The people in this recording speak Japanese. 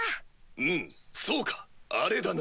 うむそうかあれだな。